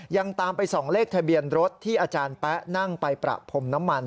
ยังตามไปส่องเลขทะเบียนรถที่อาจารย์แป๊ะนั่งไปประพรมน้ำมัน